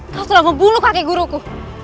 kau sudah membunuh kakek guruku